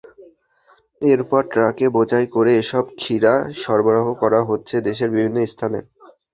এরপর ট্রাকে বোঝাই করে এসব ক্ষীরা সরবরাহ করা হচ্ছে দেশের বিভিন্ন স্থানে।